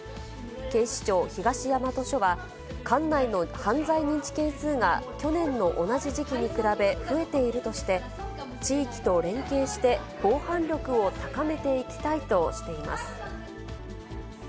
警視庁東大和署は、管内の犯罪認知件数が去年の同じ時期に比べ増えているとして、地域と連携して防犯力を高めていきたいとしています。